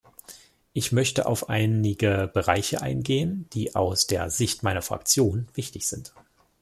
Ich möchte auf einige Bereiche eingehen, die aus der Sicht meiner Fraktion wichtig sind.